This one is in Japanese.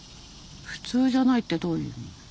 普通じゃないってどういう意味？